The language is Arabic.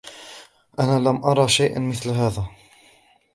أنا لم أرَ شيئاً مثل هذا.